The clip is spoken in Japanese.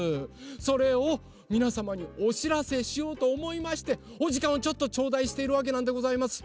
それをみなさまにおしらせしようとおもいましておじかんをちょっとちょうだいしているわけなんでございます。